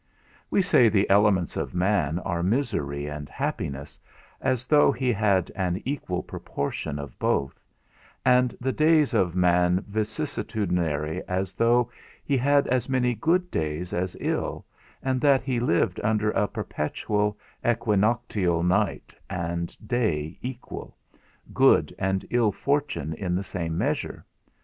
We say the elements of man are misery and happiness, as though he had an equal proportion of both, and the days of man vicissitudinary, as though he had as many good days as ill, and that he lived under a perpetual equinoctial, night and day equal, good and ill fortune in the same measure.